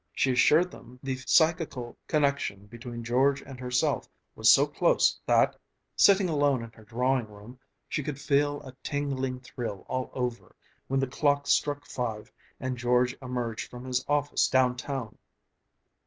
She assured them the psychical connection between George and herself was so close that, sitting alone in her drawing room, she could feel a tingling thrill all over when the clock struck five and George emerged from his office downtown.